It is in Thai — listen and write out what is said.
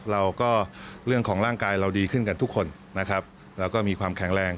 เราก็เรื่องของร่างกายเราดีขึ้นกันทุกคนนะครับแล้วก็มีความแข็งแรง